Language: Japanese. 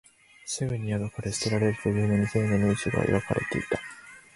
すぐに破かれ、捨てられるというのに、丁寧に宇宙が描かれていた